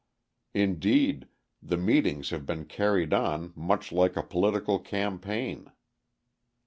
Indeed, the meetings have been carried on much like a political campaign.